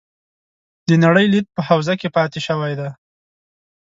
د نړۍ لید په حوزه کې پاتې شوي دي.